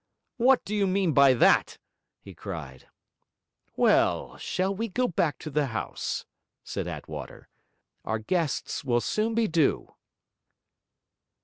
'What do you mean by that?' he cried. 'Well, shall we go back to the house?' said Attwater. 'Our guests will soon be due.'